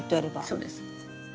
そうです。